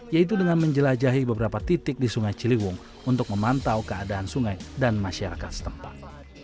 yaitu dengan menjelajahi beberapa titik di sungai ciliwung untuk memantau keadaan sungai dan masyarakat setempat